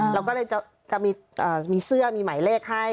เราก็เลยจะมีเสื้อมีหมายเลขให้